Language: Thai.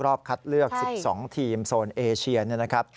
รอบคัดเลือก๑๒ทีมโซนเอเชียเนี่ยนะครับ